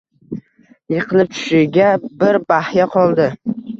Yiqilib tushishiga bir bahya qoldi.